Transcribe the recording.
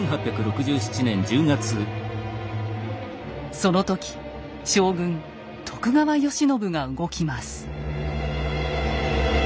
その時将軍・徳川慶喜が動きます。